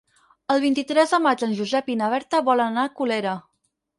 El vint-i-tres de maig en Josep i na Berta volen anar a Colera.